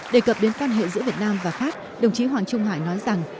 đề cập đến quan hệ giữa việt nam và pháp đồng chí hoàng trung hải nói rằng